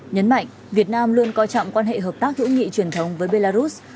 nhấn mạnh việt nam luôn coi trọng quan hệ hợp tác hữu nghị truyền thống với belarus